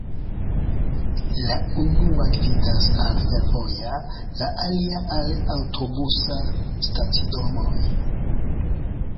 La unua gvidas al fervoja, la alia al aŭtobusa stacidomoj.